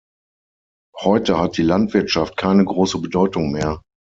Heute hat die Landwirtschaft keine große Bedeutung mehr.